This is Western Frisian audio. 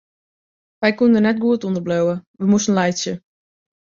Wy koene der net goed ûnder bliuwe, wy moasten laitsje.